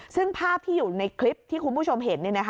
ซึ่งภาพที่อยู่ในคลิปที่คุณผู้ชมเห็น